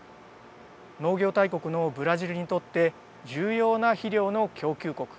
農業大国のブラジルにとって重要な肥料の供給国